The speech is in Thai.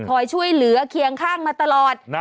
คอยช่วยเหลือเคียงข้างมาตลอด